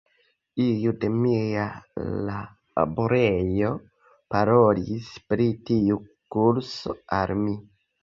Iu de mia laborejo parolis pri tiu kurso al mi.